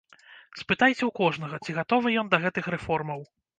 Спытайце ў кожнага, ці гатовы ён да гэтых рэформаў.